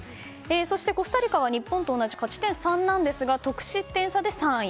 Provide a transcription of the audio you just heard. そして、コスタリカは日本と同じ勝ち点３なんですが得失点差で３位。